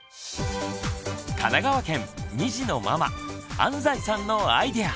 神奈川県２児のママ安齋さんのアイデア！